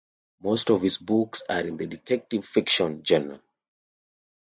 Most of his books are in the detective fiction genre.